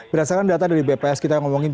berdasarkan data dari bps kita ngomongin